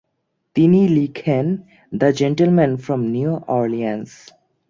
তিনি লেখেন "the gentleman from New Orleans".